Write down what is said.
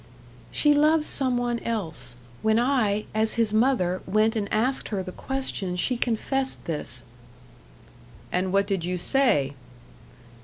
"She loves some one else. When I as his mother went and asked her the question she confessed this." "And what did you say?"